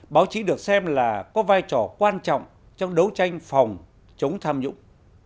báo chí được xem là có vai trò quan trọng trong đấu tranh phòng chống tham nhũng